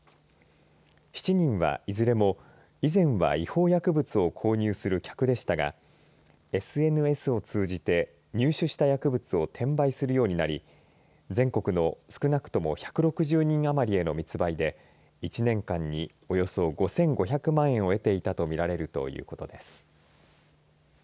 ７人はいずれも以前は違法薬物を購入する客でしたがＳＮＳを通じて入手した薬物を転売するようになり全国の少なくとも１６０人あまりへの密売で１年間に、およそ５５００万円を得ていたと見られるということです。